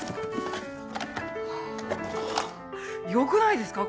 よくないですか？